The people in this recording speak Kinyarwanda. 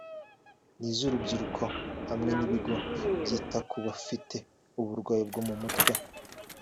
n’iz’urubyiruko hamwe n’ibigo byita ku bafite uburwayi bwo mu mutwe